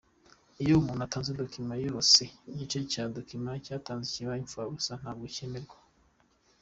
Iyo umuntu adatanze document yose, igice cya document yatanze kiba impfabusa; ntabwo cyemerwa.